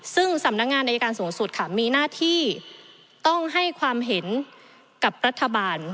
ซึ่งสำนักงานอายการสูงสุดค่ะมีหน้าที่ต้องให้ความเห็นกับรัฐบาล